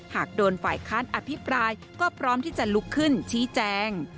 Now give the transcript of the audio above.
หากโดนฝ่ายค้านอภิปรายก็พร้อมที่จะลุกขึ้นชี้แจง